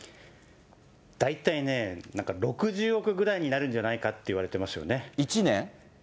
大体ね、なんか６０億ぐらいになるんじゃないかと言われてますよね。